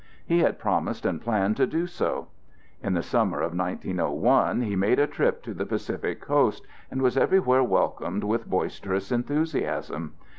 He had promised and planned to do so. In the summer of 1901 he made a trip to the Pacific coast, and was everywhere welcomed with boisterous enthusiasm.